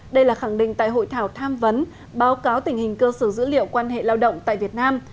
đây là khẳng định tại hội thảo tham vấn báo cáo tình hình cơ sở dữ liệu quan hệ lao động tại việt nam